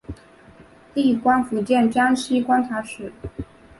历官福建江西观察使。